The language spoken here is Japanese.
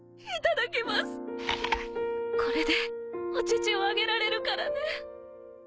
これでお乳をあげられるからね。